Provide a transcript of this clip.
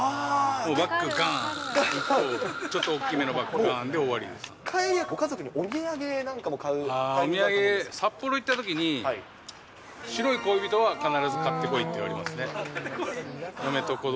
もうバッグがーん、１個、ちょっと大きめのバッグがーんで終わり帰り、ご家族なんかにお土産お土産、札幌行ったときに、白い恋人は必ず買ってこいって言われますね。